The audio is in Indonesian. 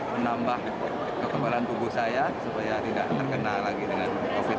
menambah kekebalan tubuh saya supaya tidak terkena lagi dengan covid sembilan belas